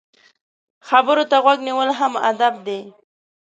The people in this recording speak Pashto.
خبرو ته غوږ نیول هم ادب دی.